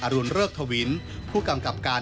รุนเริกทวินผู้กำกับการ